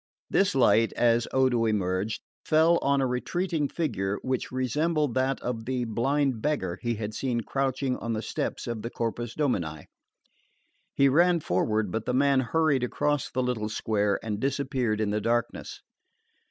This light, as Odo emerged, fell on a retreating figure which resembled that of the blind beggar he had seen crouching on the steps of the Corpus Domini. He ran forward, but the man hurried across the little square and disappeared in the darkness.